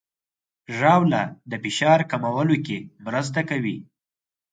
ژاوله د فشار کمولو کې مرسته کوي.